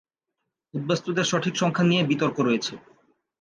উদ্বাস্তুদের সঠিক সংখ্যা নিয়ে বিতর্ক রয়েছে।